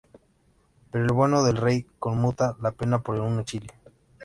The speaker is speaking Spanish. Pero el bueno del Rey conmuta la pena por un exilio.